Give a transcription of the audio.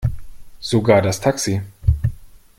Sogar das Taxi.